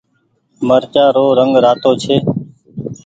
مرچآ رو رنگ رآتو ڇي۔